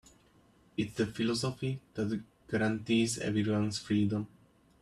It's the philosophy that guarantees everyone's freedom.